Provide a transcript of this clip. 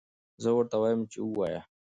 زه ورته وایم چې ووایه.